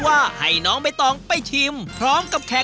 และแตกต่างกันรึเปล่า